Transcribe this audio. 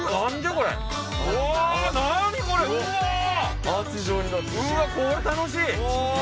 うわこれ楽しい！